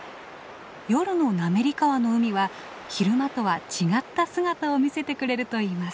夜の滑川の海は昼間とは違った姿を見せてくれるといいます。